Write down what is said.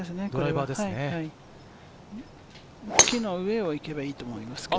木の上を行けばいいと思います。